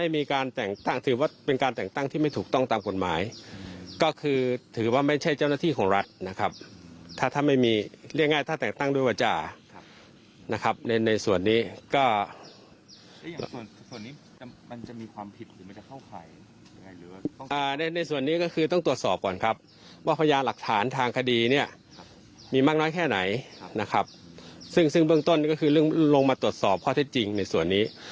มีมักน้อยแค่ไหนนะครับซึ่งเบื้องต้นก็คือลงมาตรวจสอบข้อเท็จจริงในส่วนนี้